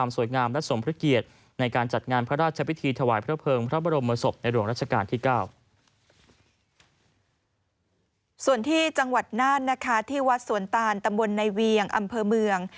ส่วนที่จังหวัดนานที่วัดสวนตาลตะมนต์ในเวียงอำเภอเมือง